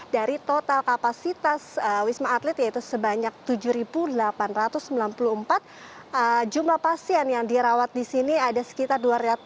dari total kapasitas wisma atlet yaitu sebanyak tujuh delapan ratus sembilan puluh empat jumlah pasien yang dirawat di sini ada sekitar dua ratus